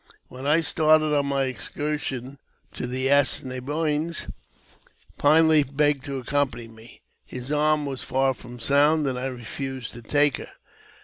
When I started on my excursion to the As ne boines, Pine Leaf begged to accompany me. Her arm was far from sound, and I refused to take her.